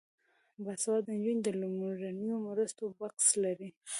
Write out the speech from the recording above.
باسواده نجونې د لومړنیو مرستو بکس لري.